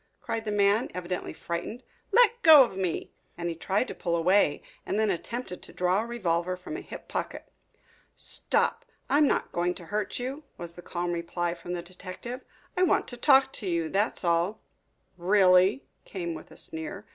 cried the man, evidently frightened. "Let go of me!" And he tried to pull away and then attempted to draw a revolver from a hip pocket. "Stop! I am not going to hurt you," was the calm reply from the detective. "I want to talk to you, that's all." "Really?" came with a sneer.